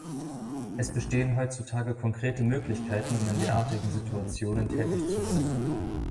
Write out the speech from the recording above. Es bestehen heutzutage konkrete Möglichkeiten, um in derartigen Situationen tätig zu werden.